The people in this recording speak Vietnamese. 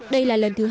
đây là lần thứ hai